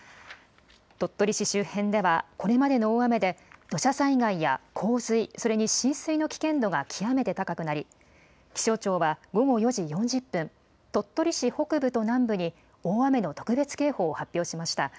鳥取市周辺では、これまでの大雨で、土砂災害や洪水、それに浸水の危険度が極めて高くなり、気象庁は午後４時４０分、鳥取市北部と南部に大雨の特別警報を発表しました。